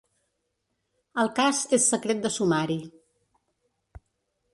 El cas és secret de sumari.